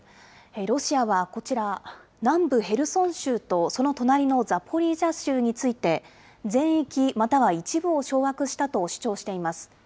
ロシアはこちら、南部ヘルソン州とその隣のザポリージャ州について、全域、または一部を掌握したと主張しています。